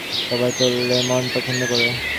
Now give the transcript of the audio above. সবাই তো লেমন পছন্দ করে।